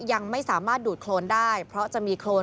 ยังไม่สามารถดูดโครนได้เพราะจะมีโครน